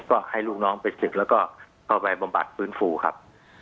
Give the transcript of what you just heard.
ก็ให้ลูกน้องไปศึกแล้วก็เข้าไปบำบัดฟื้นฟูครับ